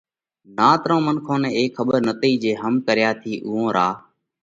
نات رو منکون نئہ اي کٻر نٿِي جي هم ڪريا ٿِي اُوئون را